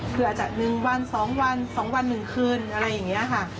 เพื่อจะ๑วัน๒วัน๒วัน๑คืนอะไรอย่างนี้ค่ะ